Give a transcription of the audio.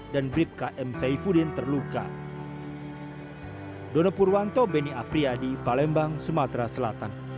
dan brik km saifuddin terluka